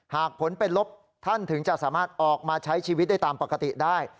หากผลเป็นลบท่านถึงจะสามารถออกมาใช้ชีวิตได้ตามปกติได้